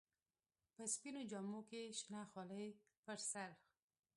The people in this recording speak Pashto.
په سپينو جامو کښې شنه خولۍ پر سر.